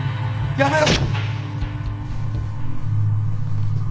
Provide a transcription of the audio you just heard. やめろ！